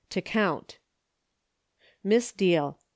To count. Misdeal.